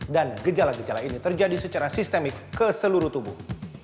gejala gejala ini terjadi secara sistemik ke seluruh tubuh